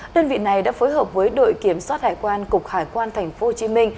đơn vị này đã phối hợp với đội kiểm soát hải quan cục hải quan tp hcm